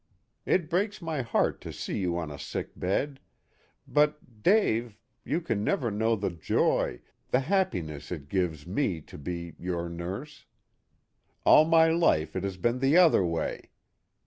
It breaks my heart to see you on a sickbed; but, Dave, you can never know the joy, the happiness it gives me to be your nurse. All my life it has been the other way.